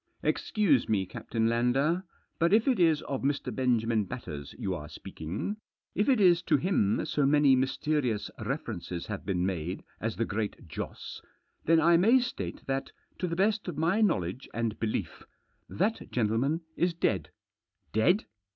"Excuse me, Captain Lander, but if it is of Mr. Benjamin Batters you are speaking, if it is to him so many mysterious references have been made as the Great Joss, then I may state that, to the best of my knowledge and belief, that gentleman is dead." "Dead?